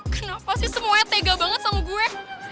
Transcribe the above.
kenapa sih semuanya tega banget sama gue